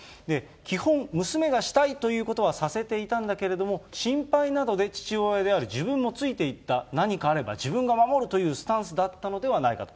基本、娘がしたいということはさせていたんだけれども、心配なので父親である自分もついていった、何かあれば自分が守るというスタンスだったのではないかと。